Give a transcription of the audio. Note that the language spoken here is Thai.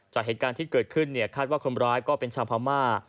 จากเหตุการณ์ที่เกิดขึ้นคาดว่าคนร้ายก็เป็นชาวพม่า